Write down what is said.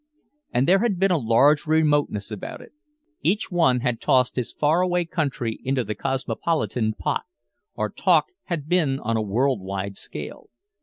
And there had been a large remoteness about it. Each one had tossed his far away country into the cosmopolitan pot, our talk had been on a world wide scale.